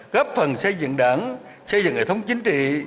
góp phần xây dựng đảng xây dựng hệ thống chính trị